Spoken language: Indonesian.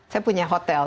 saya punya hotel